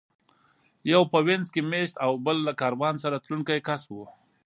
یو په وینز کې مېشت و او بل له کاروان سره تلونکی کس و